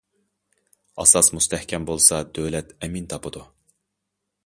ئاساس مۇستەھكەم بولسا، دۆلەت ئەمىن تاپىدۇ.